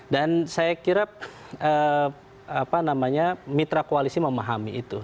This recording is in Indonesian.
dan saya kira mitra koalisi memahami itu